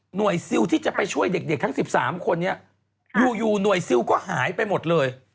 หน่วยซิลที่จะไปช่วยเด็กเด็กทั้งสิบสามคนเนี้ยอยู่อยู่หน่วยซิลก็หายไปหมดเลย